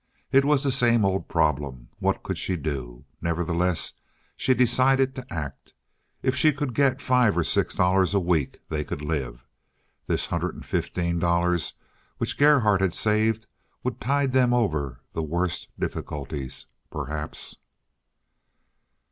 It was the same old problem. What could she do? Nevertheless, she decided to act. If she could get five or six dollars a week they could live. This hundred and fifteen dollars which Gerhardt had saved would tide them over the worst difficulties perhaps.